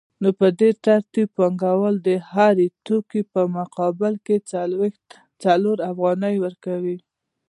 نو په دې ترتیب پانګوال د هر توکي په مقابل کې څلور افغانۍ ورکوي